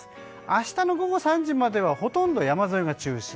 明日の午後３時まではほとんど山沿いが中心。